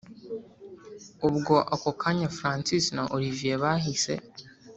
ubwo ako kanya francis na olivier bahise